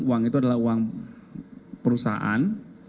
uang itu adalah uang perusahaan